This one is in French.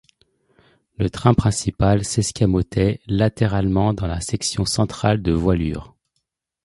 Le train principal s’escamotait latéralement dans la section centrale de voilure.